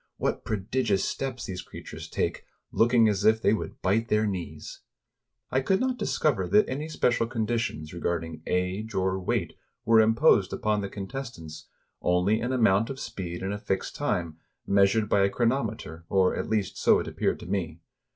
What prodigious steps these creatures take, looking as if they would bite their knees ! I could not discover that any special conditions re garding age or weight were imposed upon the contest ants, only an amount of speed in a fixed time, measured 239 RUSSIA by a chronometer, — or, at least, so it appeared to me.